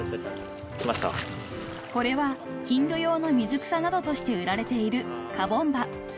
［これは金魚用の水草などとして売られているカボンバ］